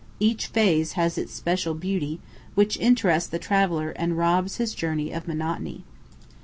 Each phase has its special beauty, which interests the traveller and robs his journey of monotony.